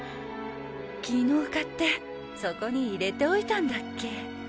昨日買ってそこに入れておいたんだっけ。